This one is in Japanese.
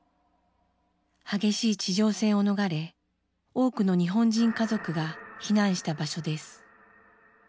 激しい地上戦を逃れ多くの日本人家族が避難した場所です。